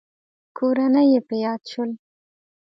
کورنۍ يې په ياد شول.